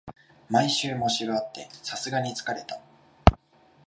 毎週、模試があってさすがに疲れた